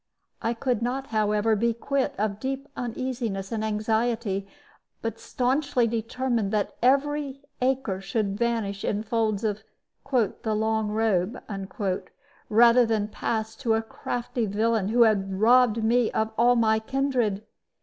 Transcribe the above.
I could not, however, be quit of deep uneasiness and anxiety, but stanchly determined that every acre should vanish in folds of "the long robe" rather than pass to a crafty villain who had robbed me of all my kindred.